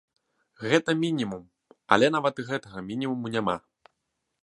Гэта мінімум, але нават і гэтага мінімуму няма.